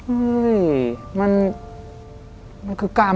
อืมมันคือกรรม